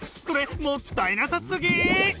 それもったいなさすぎ！